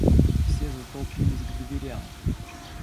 Все затолпились к дверям.